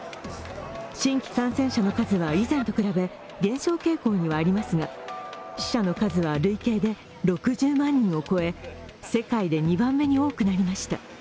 新規感染者の数は以前と比べ減少傾向にありますが、死者の数は累計で６０万人を超え、世界で２番目に多くなりました。